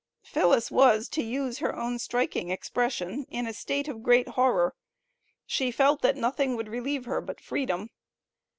Phillis was, to use her own striking expression in a state of "great horror;" she felt, that nothing would relieve her but freedom.